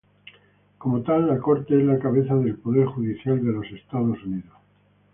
Como tal, la Corte es la cabeza del Poder Judicial de los Estados Unidos.